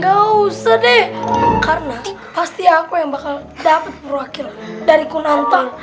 gak usah deh karena pasti aku yang bakal dapet perwakilan dari ku nonton